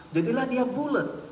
jadilah dia bulet